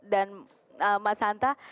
dan mas hanta